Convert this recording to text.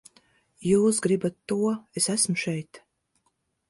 Jūs gribat to, es esmu šeit!